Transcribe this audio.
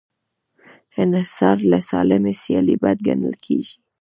انحصار له سالمې سیالۍ بد ګڼل کېږي.